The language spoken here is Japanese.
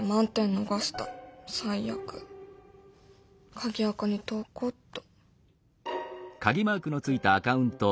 鍵アカに投稿っと。